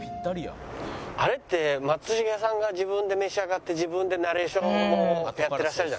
あれって松重さんが自分で召し上がって自分でナレーションもやってらっしゃるじゃないですか。